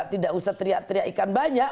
tidak usah teriak teriak ikan banyak